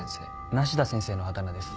梨多先生のあだ名です。